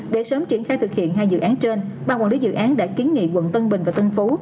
để sớm triển khai thực hiện hai dự án trên bàn quản lý dự án đã kiến nghị quận tân bình và tân phú